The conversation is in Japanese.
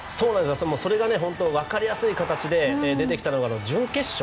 それが本当分かりやすい形で出てきたのが準決勝。